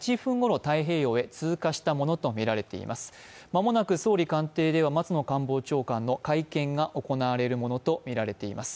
間もなく総理官邸では松野官房長官の会見が行われるものとみられています。